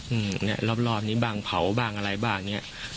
อืมเนี้ยรอบรอบนี้บ้างเผาบ้างอะไรบ้างเนี้ย